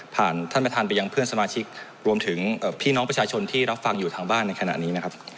ผ่านท่านประธานไปยังเพื่อนสมาชิกรวมถึงพี่น้องประชาชนที่รับฟังอยู่ทางบ้านในขณะนี้นะครับ